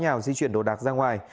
nháo nhào di chuyển đồ đạc ra ngoài